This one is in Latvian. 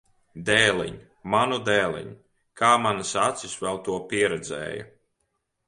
Dēliņ! Manu dēliņ! Kā manas acis vēl to pieredzēja!